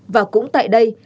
và cũng tại đây